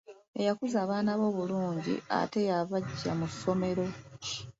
Eyakuza abaana be obulungi ate yabaggya mu ssomero.